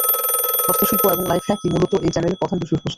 হস্তশিল্প এবং লাইফ-হ্যাক-ই মূলত এই চ্যানেলের প্রধান বিষয়বস্তু।